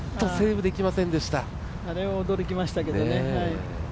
あれは驚きましたけどね。